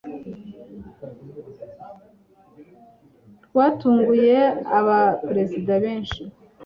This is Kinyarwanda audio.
rwatunguye aba perezida benshi,